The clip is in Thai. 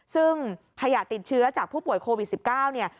ซึ่งขยะติดเชื้อจากผู้ป่วยโควิด๑๙เนี่ย